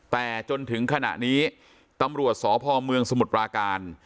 แต่จนถึงขณะนี้ตำรวจสพเมืองสมุทรปราการ